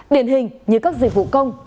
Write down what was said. điển hình như các dịch vụ công